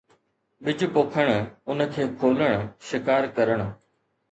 ٻج پوکڻ ، ان کي کولڻ ، شڪار ڪرڻ